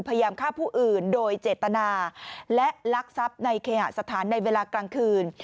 พยายามฆ่าผู้อื่นโดยเจตนาและลักทรัพย์ในเคหสถานในเวลากลางคืน